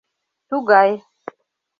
Тугай...